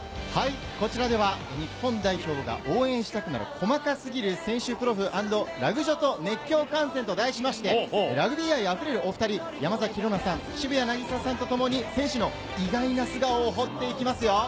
こちらでは日本代表が応援したくなる「細かすぎる選手プロフ＆ラグ女と熱狂観戦」と題しまして、ラグビー愛のあふれるお二人、山崎紘菜さん、渋谷凪咲さんとともに選手の意外な素顔を掘っていきますよ。